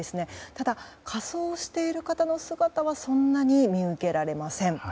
ただ、仮装している方の姿はそんなに見受けられません。